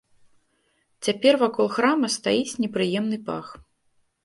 Цяпер вакол храма стаіць непрыемны пах.